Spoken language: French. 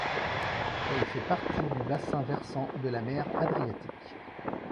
Elle fait partie du bassin versant de la mer Adriatique.